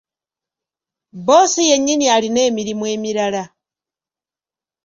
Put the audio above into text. Bboosi yennyini alina emirimu emirala.